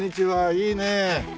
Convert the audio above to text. いいねえ。